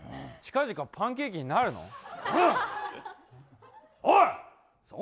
近々パンケーキになるの？